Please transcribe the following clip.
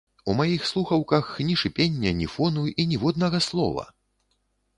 У маіх слухаўках ні шыпення, ні фону і ніводнага слова!